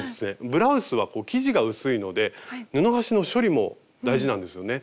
ブラウスは生地が薄いので布端の処理も大事なんですよね。